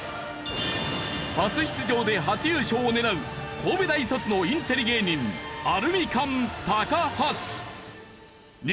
初出場で初優勝を狙う神戸大卒のインテリ芸人アルミカン高橋。